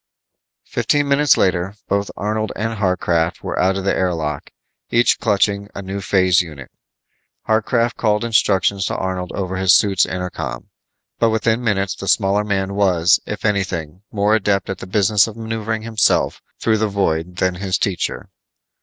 Fifteen minutes later, both Arnold and Harcraft were out of the air lock, each clutching a new phase unit. Harcraft called instructions to Arnold over his suit's inter com, but within minutes the smaller man was, if anything, more adept at the business of maneuvering himself through the void than his teacher.